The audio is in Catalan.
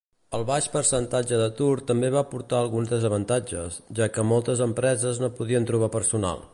El baix percentatge d'atur també va portar alguns desavantatges, ja que moltes empreses no podien trobar personal.